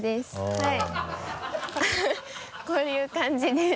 はい。